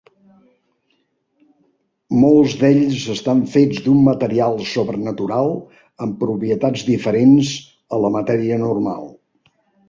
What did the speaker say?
Molts d'ells estan fets d'un material sobrenatural amb propietats diferents a la matèria normal.